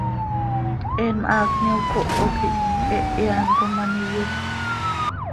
Eenm haacni ocoho quih hehe án com an iyisxö.